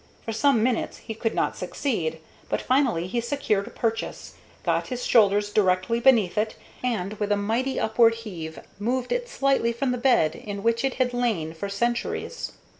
For some minutes he could not succeed, but finally he secured a purchase, got his shoulders directly beneath it, and, with a mighty upward heave, moved it slightly from the bed in which it had lain for centuries.